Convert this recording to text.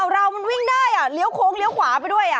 เรามันวิ่งได้เลี้ยวโค้งเลี้ยวขวาไปด้วย